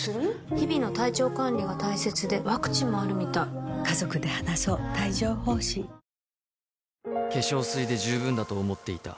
日々の体調管理が大切でワクチンもあるみたい化粧水で十分だと思っていた